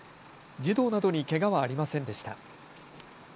児童などにけがはありませんでした。